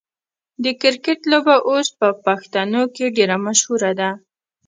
د کرکټ لوبه اوس په پښتنو کې ډیره مشهوره ده.